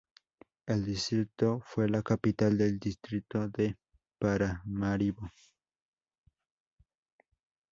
El distrito fue la capital del distrito de Paramaribo.